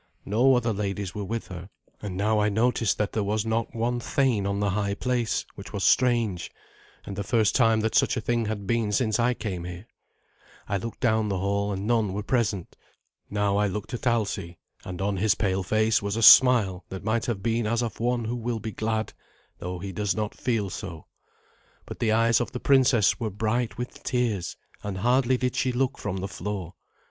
No other ladies were with her; and now I noticed that there was not one thane on the high place, which was strange, and the first time that such a thing had been since I came here. I looked down the hall, and none were present. Now I looked at Alsi; and on his pale face was a smile that might have been as of one who will be glad, though he does not feel so. But the eyes of the princess were bright with tears, and hardly did she look from the floor.